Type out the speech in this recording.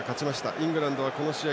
イングランドは、その試合